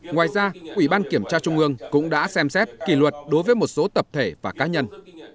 ngoài ra ủy ban kiểm tra trung ương cũng đã xem xét kỷ luật đối với một số tập thể và cá nhân